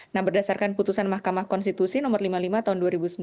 nah berdasarkan putusan mahkamah konstitusi nomor lima puluh lima tahun dua ribu sembilan belas